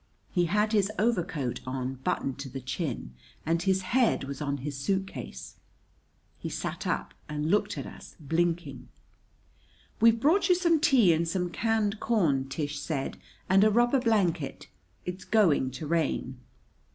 He had his overcoat on, buttoned to the chin, and his head was on his suit case. He sat up and looked at us, blinking. "We've brought you some tea and some canned corn," Tish said; "and a rubber blanket. It's going to rain."